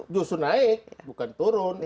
justru naik bukan turun